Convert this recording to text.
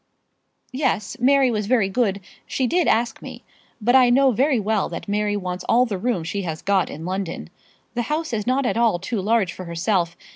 "Yes; Mary was very good. She did ask me. But I know very well that Mary wants all the room she has got in London. The house is not at all too large for herself.